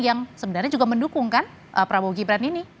yang sebenarnya juga mendukungkan prabowo gibran ini